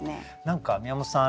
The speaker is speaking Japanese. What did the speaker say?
何か宮本さん